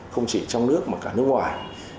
không chỉ trong nước mà cả nước ngoài